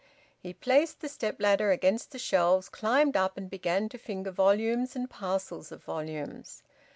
He placed the step ladder against the shelves, climbed up, and began to finger volumes and parcels of volumes.